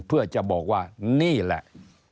เพื่อจะบอกว่านี่แหละ